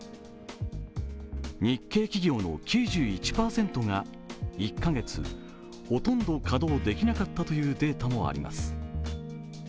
日系企業の９１％が１カ月ほとんど稼働できなかったというデータもあります。